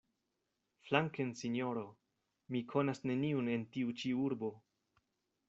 Flanken, sinjoro! Mi konas neniun en tiu ĉi urbo.